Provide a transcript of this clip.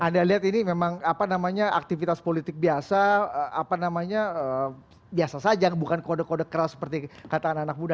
anda lihat ini memang apa namanya aktivitas politik biasa apa namanya biasa saja bukan kode kode keras seperti kata anak anak muda